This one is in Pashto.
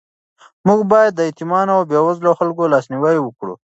موږ باید د یتیمانو او بېوزلو خلکو لاسنیوی وکړو.